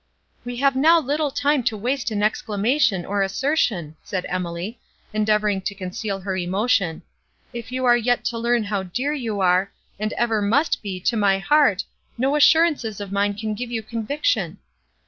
"We have now little time to waste in exclamation, or assertion," said Emily, endeavouring to conceal her emotion: "if you are yet to learn how dear you are, and ever must be, to my heart, no assurances of mine can give you conviction."